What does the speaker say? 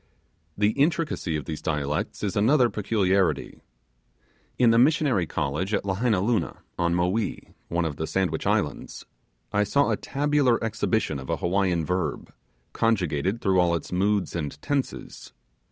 The intricacy of these dialects is another peculiarity. In the Missionary College at Lahainaluna, on Mowee, one of the Sandwich Islands, I saw a tabular exhibition of a Hawiian verb, conjugated through all its moods and tenses.